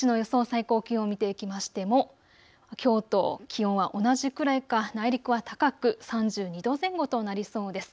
最高気温を見ていきましてもきょうと気温は同じくらいか内陸は高く３２度前後となりそうです。